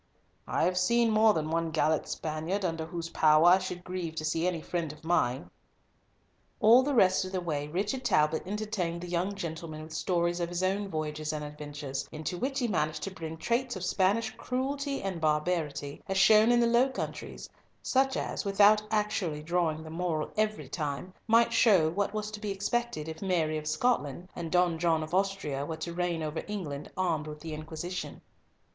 "I have seen more than one gallant Spaniard under whose power I should grieve to see any friend of mine." All the rest of the way Richard Talbot entertained the young gentleman with stories of his own voyages and adventures, into which he managed to bring traits of Spanish cruelty and barbarity as shown in the Low Countries, such as, without actually drawing the moral every time, might show what was to be expected if Mary of Scotland and Don John of Austria were to reign over England, armed with the Inquisition.